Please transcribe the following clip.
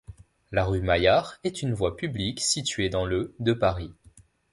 La rue Maillard est une voie publique située dans le de Paris.